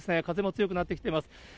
風も強くなってきています。